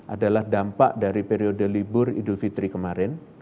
adalah dampak dari periode libur idul fitri kemarin